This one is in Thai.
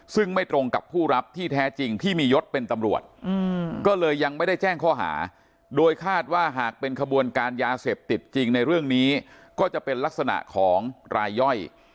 สำหรับยาเสพติดจริงในเรื่องนี้ก็จะเป็นลักษณะของรายย่อย